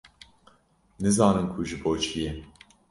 nizanin ku ji bo çî ye?